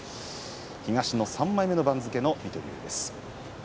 東の３枚目の水戸龍です。